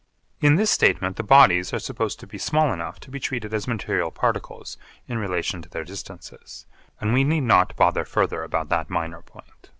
In this statement the bodies are supposed to be small enough to be treated as material particles in relation to their distances; and we need not bother further about that minor point.